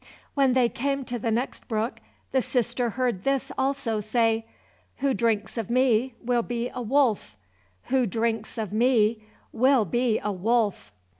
When they came to the next brook the sister heard this also say, "Who drinks of me will be a wolf; who drinks of me will be a wolf."